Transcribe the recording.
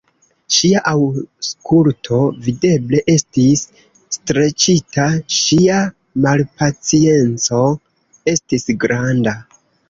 Ŝia aŭskulto videble estis streĉita, ŝia malpacienco estis granda.